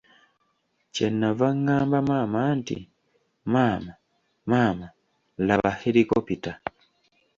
Kye nava ngamba maama nti, maama, maama, laba helikopita.